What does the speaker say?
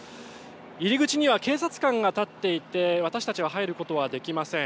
入り口には警察官が立っていて私たちは入ることはできません。